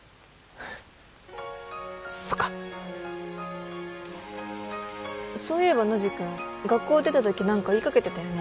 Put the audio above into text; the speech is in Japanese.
そっかそういえばノジ君学校出たとき何か言いかけてたよね？